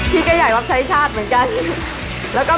พี่ก็อยากรับใช้ชาติเหมือนกัน